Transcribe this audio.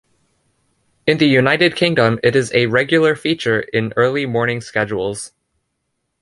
In the United Kingdom, it is a regular feature in early morning schedules.